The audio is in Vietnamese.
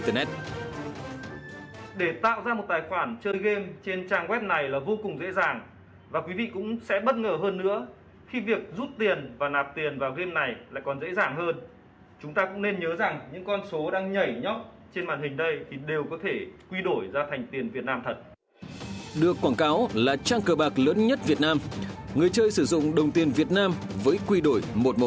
trang cờ bạc lớn nhất việt nam người chơi sử dụng đồng tiền việt nam với quy đổi một một